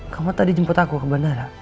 kamu tadi jemput aku ke bandara